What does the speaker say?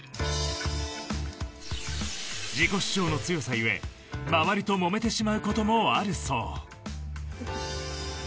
自己主張の強さゆえ周りともめてしまうこともあるそう。